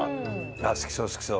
ああ好きそう好きそう。